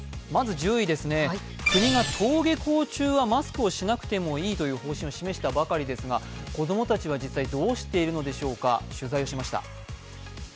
まず１０位ですね、国が登下校中はマスクをしなくていいという方針を示したばかりですが子供たちは実際、どうしているのでしょうか、取材をしました。